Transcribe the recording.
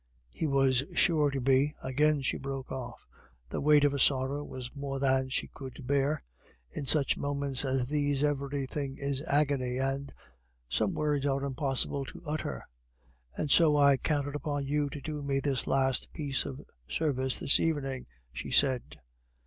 "He was sure to be..." Again she broke off; the weight of her sorrow was more than she could bear. In such moments as these everything is agony, and some words are impossible to utter. "And so I counted upon you to do me this last piece of service this evening," she said.